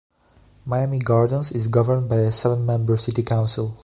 Miami Gardens is governed by a seven-member City Council.